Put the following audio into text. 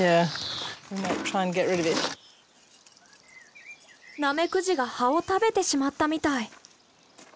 ナメクジが葉を食べてしまったみたい。